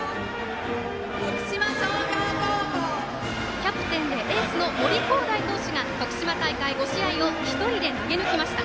キャプテンでエースの森煌誠投手が徳島大会５試合を１人で投げ抜きました。